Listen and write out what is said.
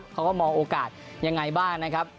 เขาก็มองโอกาสยังไงบ้างนะครับ